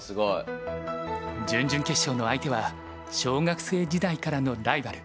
準々決勝の相手は小学生時代からのライバル